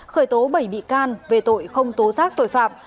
khởi tố bảy bị can về tội không tố giác tội phạm